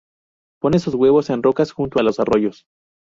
Pone sus huevos en rocas junto a los arroyos.